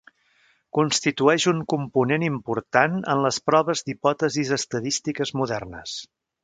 Constitueix un component important en les proves d'hipòtesis estadístiques modernes.